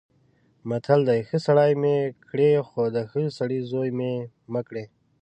متل دی: ښه سړی مې کړې خو د ښه سړي زوی مې مه کړې.